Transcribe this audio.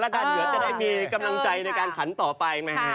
โยชน์จะได้มีกำลังใจในการคันต่อไป